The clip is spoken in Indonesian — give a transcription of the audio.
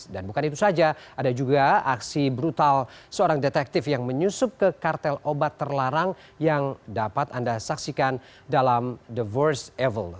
dan bukan itu saja ada juga aksi brutal seorang detektif yang menyusup ke kartel obat terlarang yang dapat anda saksikan dalam the worst evil